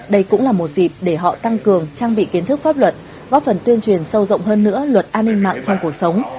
đây cũng là một dịp để họ tăng cường trang bị kiến thức pháp luật góp phần tuyên truyền sâu rộng hơn nữa luật an ninh mạng trong cuộc sống